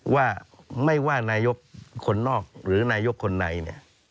ว่าไม่ว่านายกคนนอกหรือนายกคนใดเนี่ย